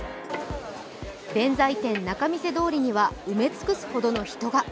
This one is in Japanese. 弁財天仲見世通りには埋め尽くすほどの人が。